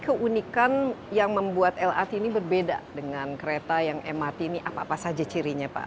keunikan yang membuat lrt ini berbeda dengan kereta yang mrt ini apa apa saja cirinya pak